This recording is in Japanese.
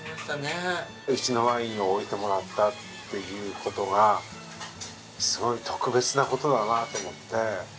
うちのワインを置いてもらったっていう事がすごい特別な事だなと思って。